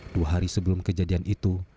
dua hari sebelum kejadian itu